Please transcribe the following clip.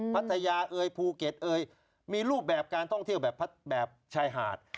พัทยาเอยภูเก็ตเอยมีรูปแบบการท่องเที่ยวแบบชายหาด